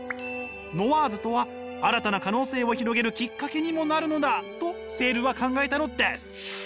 ノワーズとは新たな可能性を広げるきっかけにもなるのだとセールは考えたのです！